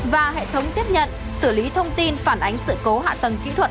và hệ thống tiếp nhận xử lý thông tin phản ánh sự cố hạ tầng kỹ thuật